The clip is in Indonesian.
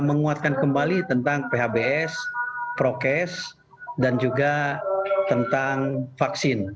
menguatkan kembali tentang phbs prokes dan juga tentang vaksin